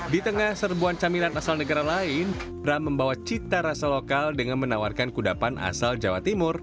di tengah serbuan camilan asal negara lain bram membawa cita rasa lokal dengan menawarkan kudapan asal jawa timur